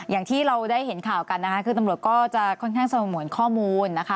อย่างที่เราได้เห็นข่าวกันนะคะคือตำรวจก็จะค่อนข้างสงวนข้อมูลนะคะ